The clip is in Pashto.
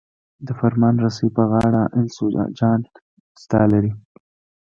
د فرمان رسۍ په غاړه انس او جان ستا لري.